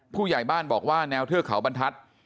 ผู้ใหญ่บ้านบอกว่าแนวเทือกเขาบรรทัศน์